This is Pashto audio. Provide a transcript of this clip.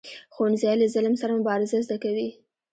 ښوونځی له ظلم سره مبارزه زده کوي